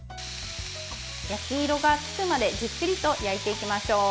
焼き色がつくまでじっくりと焼いていきましょう。